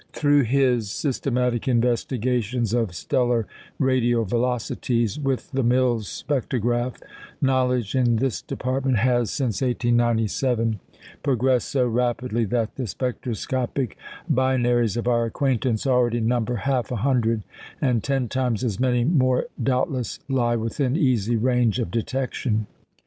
Through his systematic investigations of stellar radial velocities with the Mills spectrograph, knowledge in this department has, since 1897, progressed so rapidly that the spectroscopic binaries of our acquaintance already number half a hundred, and ten times as many more doubtless lie within easy range of detection.